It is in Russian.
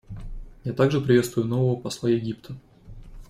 Я также приветствую нового посла Египта.